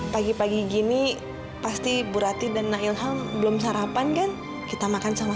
sampai jumpa di video selanjutnya